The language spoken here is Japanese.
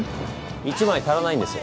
１枚足らないんですよ。